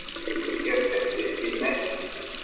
Mëquiadtiadquio icquid naic